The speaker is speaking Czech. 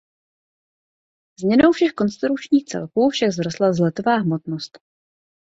Změnou všech konstrukčních celků však vzrostla vzletová hmotnost.